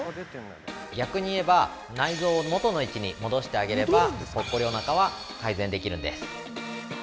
◆逆に言えば内臓を元の位置に戻してあげればぽっこりおなかは改善できるんです。